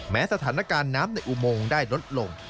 สถานการณ์น้ำในอุโมงได้ลดลง